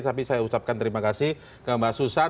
tapi saya ucapkan terima kasih ke mbak susan